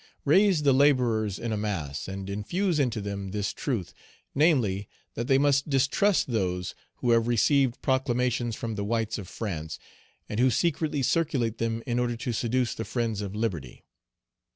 Raise the laborers in a mass, and infuse into them this truth, namely, that they must distrust those who have received proclamations from the whites of France, and who secretly circulate them in order to seduce the friends of liberty.